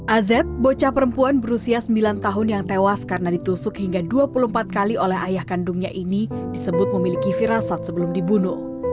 az bocah perempuan berusia sembilan tahun yang tewas karena ditusuk hingga dua puluh empat kali oleh ayah kandungnya ini disebut memiliki firasat sebelum dibunuh